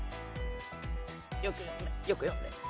よくよく読んで。